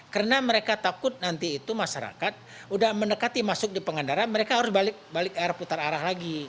karena mereka takut nanti itu masyarakat sudah mendekati masuk di pengandaran mereka harus balik air putar arah lagi